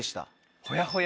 ほやほや。